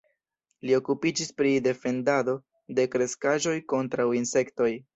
Li okupiĝis pri defendado de kreskaĵoj kontraŭ insektoj.